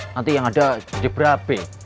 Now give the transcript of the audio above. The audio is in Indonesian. nanti yang ada jadi berapa